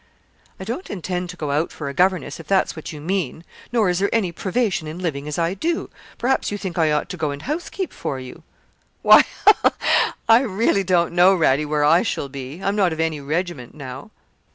'I don't intend to go out for a governess, if that's what you mean; nor is there any privation in living as I do. Perhaps you think I ought to go and housekeep for you.' 'Why ha, ha! I really don't know, Radie, where I shall be. I'm not of any regiment now.'